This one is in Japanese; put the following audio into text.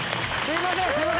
すいません。